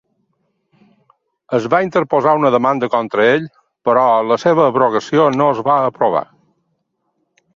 Es va interposar una demanda contra ell, però la seva abrogació no es va aprovar.